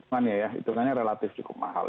cuman ya hitungannya relatif cukup mahal